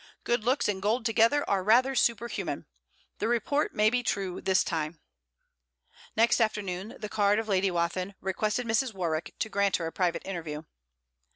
'Good looks and gold together are rather superhuman. The report may be this time true.' Next afternoon the card of Lady Wathin requested Mrs. Warwick to grant her a private interview.